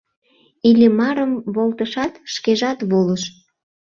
– Иллимарым волтышат, шкежат волыш.